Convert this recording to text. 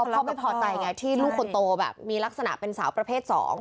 เขาไม่พอใจไงที่ลูกคนโตแบบมีลักษณะเป็นสาวประเภท๒